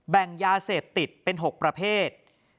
แบ่งยาเสพติดเป็น๖ประเภท